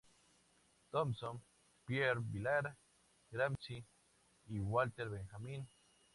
Thompson, Pierre Vilar, Gramsci y Walter Benjamin.